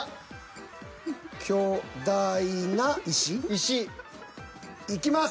石。いきます。